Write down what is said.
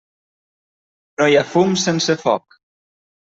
No hi ha fum sense foc.